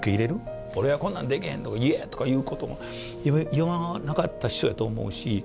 俺はこんなんできへんとか言えんとかいうことも言わなかった師匠やと思うし。